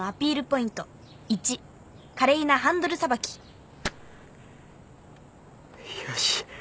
ポイント１」「華麗なハンドルさばき」よし。